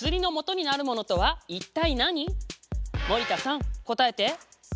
森田さん答えて。